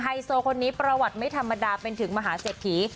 โซคนนี้ประวัติไม่ธรรมดาเป็นถึงมหาเศรษฐี